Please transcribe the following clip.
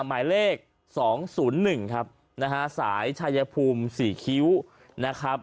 หมายเลขสองศูนย์หนึ่งครับนะฮะสายชายภูมิสี่คิ้วนะครับ